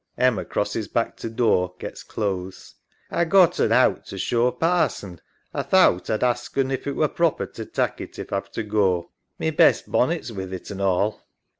{Emma crosses back to door, gets clothes) A got un out to show Parson. A thowt A'd ask un if it were proper to tak' it if A've to go. My best bonnet's with it, an' all.